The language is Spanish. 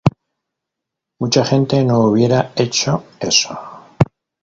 Mucha gente no hubiera hecho eso.